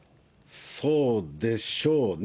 そうでしょうね。